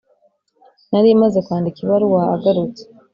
nari maze kwandika ibaruwa agarutse